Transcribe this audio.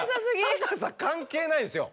高さ関係ないですよ！